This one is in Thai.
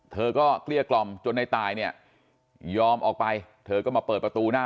เธอก็เกลี้ยกล่อมจนในตายเนี่ยยอมออกไปเธอก็มาเปิดประตูหน้า